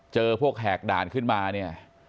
เจอพวกแหกด่านขึ้นมาเนี่ย